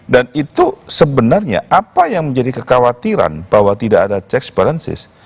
dan itu sebenarnya apa yang menjadi kekhawatiran bahwa tidak ada check and balances